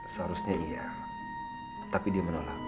seharusnya iya tapi dia menolak